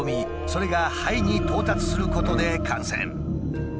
それが肺に到達することで感染。